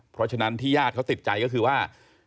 เพราะฉะนั้นที่ญาติเขาติดใจก็คือว่า